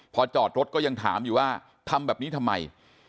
พอจอดรถก็ยังถามอยู่ว่าทำแบบนี้ทำไม